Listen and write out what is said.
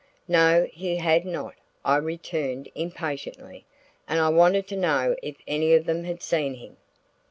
No, he had not, I returned impatiently, and I wanted to know if any of them had seen him.